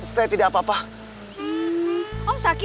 lama dia sama sama